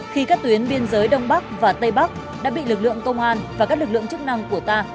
khi các tuyến biên giới đông bắc và tây bắc đã bị lực lượng công an và các lực lượng chức năng của ta